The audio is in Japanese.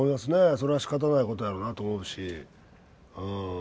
それはしかたないことやろなと思うしうん。